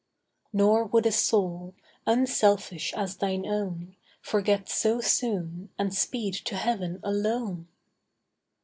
Nor would a soul, unselfish as thine own, Forget so soon, and speed to heaven alone.